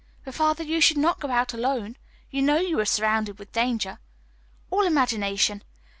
"But, father, you should not go out alone. You know you are surrounded with danger." "All imagination.